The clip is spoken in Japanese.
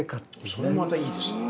それもまたいいですね。